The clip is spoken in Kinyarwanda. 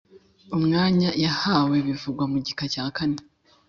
umwanya yahawe bivugwa mu gika cya kane